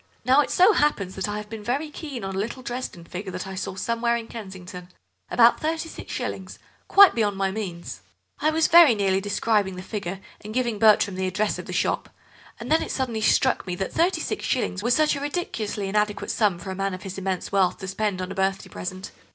Now it so happens that I have been very keen on a little Dresden figure that I saw somewhere in Kensington; about thirty six shillings, quite beyond my means. I was very nearly describing the figure, and giving Bertram the address of the shop. And then it suddenly struck me that thirty six shillings was such a ridiculously inadequate sum for a man of his immense wealth to spend on a birthday present.